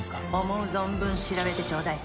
「思う存分調べてちょうだい」